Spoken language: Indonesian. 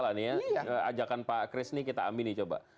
ajakan pak kris ini kita ambil ini coba